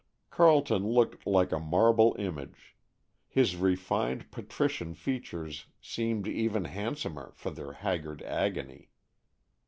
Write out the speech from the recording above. Carleton looked like a marble image. His refined, patrician features seemed even handsomer for their haggard agony.